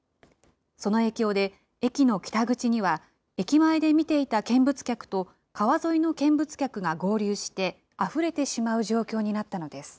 その影響で、駅の北口には駅前で見ていた見物客と、川沿いの見物客が合流してあふれてしまう状況になったのです。